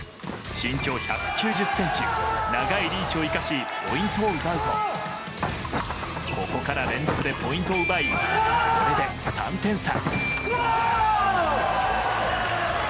身長１９０ｃｍ長いリーチを生かしポイントを奪うとここから連続でポイントを奪いこれで３点差。